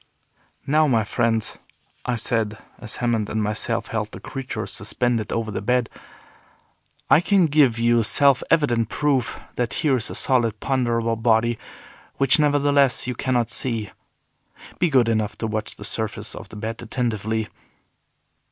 "Now my friends," I said, as Hammond and myself held the creature suspended over the bed, "I can give you self evident proof that here is a solid, ponderable body, which, nevertheless, you cannot see. Be good enough to watch the surface of the bed attentively."